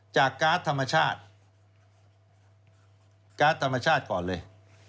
การ์ดธรรมชาติการ์ดธรรมชาติก่อนเลย